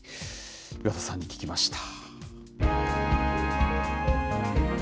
岩田さんに聞きました。